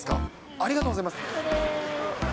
ありがとうございます。